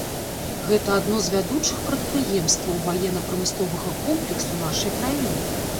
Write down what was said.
Гэта адно з вядучых прадпрыемстваў ваенна-прамысловага комплексу нашай краіны.